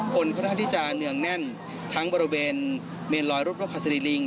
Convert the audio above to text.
คนค่อนข้างที่จะเนืองแน่นทั้งบริเวณเมรอยลดบริษัทศุรีริง